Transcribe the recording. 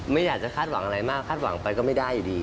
ไม่อยากจะคาดหวังอะไรมากคาดหวังไปก็ไม่ได้อยู่ดี